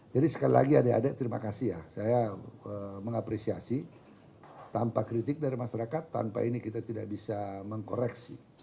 jadi sekali lagi adik adik terima kasih ya saya mengapresiasi tanpa kritik dari masyarakat tanpa ini kita tidak bisa mengkoreksi